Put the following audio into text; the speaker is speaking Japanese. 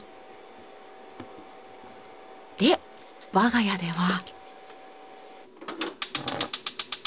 で我が家では。